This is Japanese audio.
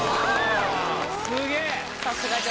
すげえ！